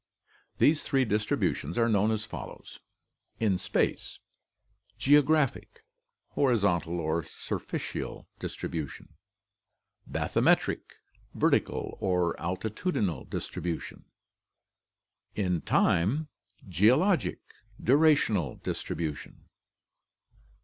These three distributions are known as follows: In space: Geographic. Horizontal or surficial distribution. Bathymetric. Vertical or altitudinal distribution. In time: Geologic. Durational distribution.